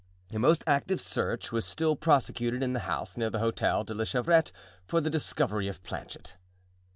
A most active search was still prosecuted in the house near the Hotel de la Chevrette for the discovery of Planchet.